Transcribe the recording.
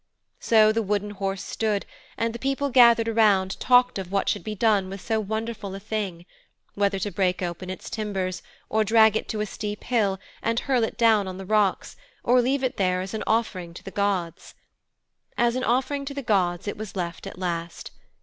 So the Wooden Horse stood, and the people gathered around talked of what should be done with so wonderful a thing whether to break open its timbers, or drag it to a steep hill and hurl it down on the rocks, or leave it there as an offering to the gods. As an offering to the gods it was left at last.